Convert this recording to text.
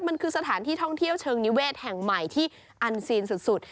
มันคือสถานที่ท่องเที่ยวเชิงนิเวศแห่งใหม่ที่อันซีนสุด